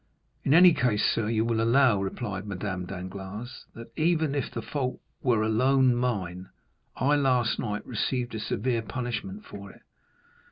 "In any case, sir, you will allow," replied Madame Danglars, "that, even if the fault were alone mine, I last night received a severe punishment for it."